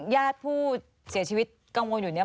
ญาติผู้เสียชีวิตกังวลอยู่เนี่ย